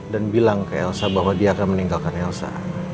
dan bilang ke elsa bahwa dia akan meninggalkan elsa